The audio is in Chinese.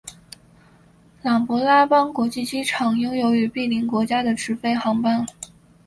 琅勃拉邦国际机场拥有与毗邻国家的直飞航班。